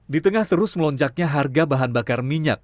di tengah terus melonjaknya harga bahan bakar minyak